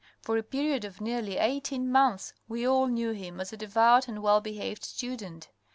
For a period of nearly eighteen months we all knew him as a devout and well behaved student.